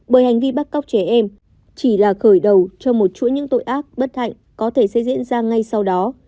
bởi hành vi bắt cóc trẻ em chỉ là khởi đầu cho một chuỗi những tội ác bất hạnh có thể sẽ diễn ra ngay sau đó